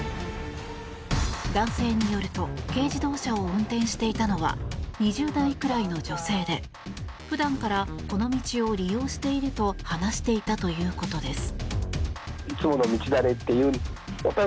男性によると軽自動車を運転していたのは２０代くらいの女性で普段からこの道を利用していると話していたということです。